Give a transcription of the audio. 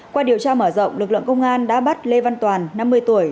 qua điều tra mở rộng lực lượng công an đã bắt lê văn toàn năm mươi tuổi